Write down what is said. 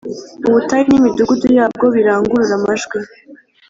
Ubutayu n imidugudu yabwo birangurure amajwi